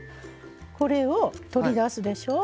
これを取り出すでしょ。